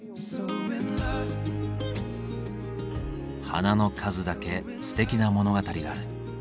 花の数だけすてきな物語がある。